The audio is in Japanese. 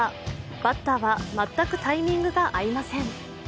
バッターは全くタイミングが合いません。